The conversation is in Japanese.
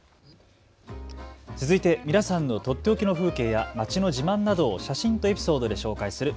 続いて皆さんのとっておきの風景や街の自慢などを写真とエピソードで紹介する＃